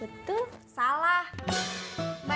udah selesai nih mak